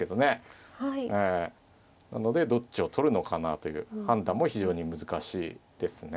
なのでどっちを取るのかなという判断も非常に難しいですね。